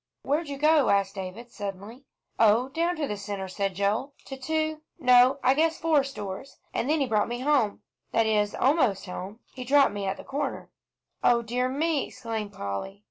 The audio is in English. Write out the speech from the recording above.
"Where'd you go?" asked David, suddenly. "Oh, down to the Centre," said Joel, "to two no, I guess four stores, and then he brought me home that is, almost home. He dropped me at the corner." "O dear me!" exclaimed Polly.